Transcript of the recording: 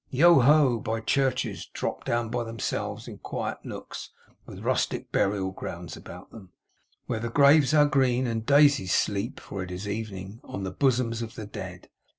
Yoho, by churches dropped down by themselves in quiet nooks, with rustic burial grounds about them, where the graves are green, and daisies sleep for it is evening on the bosoms of the dead.